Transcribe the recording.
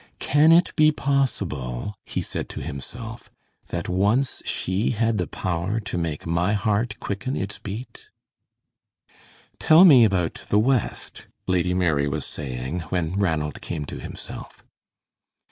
"Can it be possible," he said to himself, "that once she had the power to make my heart quicken its beat?" "Tell me about the West," Lady Mary was saying, when Ranald came to himself.